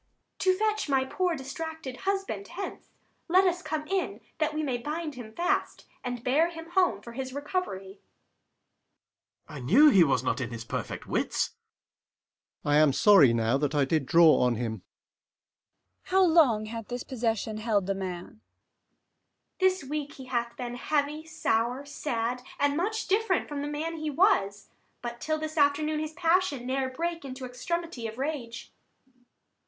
_ To fetch my poor distracted husband hence. Let us come in, that we may bind him fast, 40 And bear him home for his recovery. Ang. I knew he was not in his perfect wits. Sec. Mer. I am sorry now that I did draw on him. Abb. How long hath this possession held the man? Adr. This week he hath been heavy, sour, sad, 45 And much different from the man he was; But till this afternoon his passion Ne'er brake into extremity of rage.